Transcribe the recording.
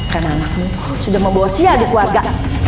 karena anakmu sudah membosia di keluarga